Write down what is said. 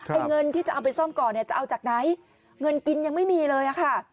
ไอ้เงินที่จะเอาไปซ่อมก่อนเนี่ยจะเอาจากไหนเงินกินยังไม่มีเลยอะค่ะ